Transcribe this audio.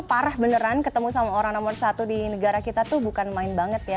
parah beneran ketemu sama orang nomor satu di negara kita tuh bukan main banget ya